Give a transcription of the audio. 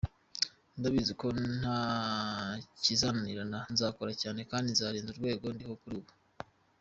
Ndabizi ko ntakizananirana nzakora cyane kandi nzarenza urwego ndiho kuri ubu.